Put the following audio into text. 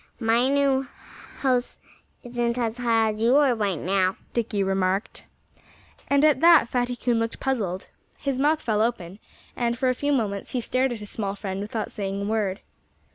"My new house isn't as high as you are right now," Dickie remarked. And at that Fatty Coon looked puzzled. His mouth fell open; and for a few moments he stared at his small friend without saying a word.